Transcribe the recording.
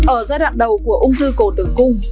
ở giai đoạn đầu của ung thư cổ tử cung